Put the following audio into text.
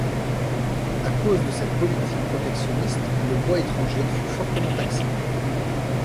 À cause de cette politique protectionniste, le bois étranger fut fortement taxé.